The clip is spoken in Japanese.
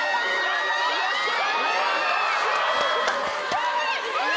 頑張れ！